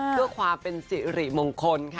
ดูเอาเอง